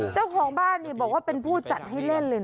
เจ้าของบ้านบอกว่าเป็นผู้จัดให้เล่นเลยนะ